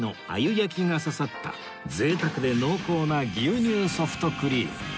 やきが刺さった贅沢で濃厚な牛乳ソフトクリーム